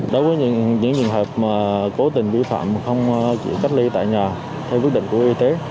đối với những trường hợp mà cố tình vi phạm không cách ly tại nhà theo quyết định của y tế